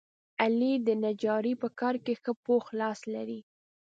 علي د نجارۍ په کار کې ښه پوخ لاس لري.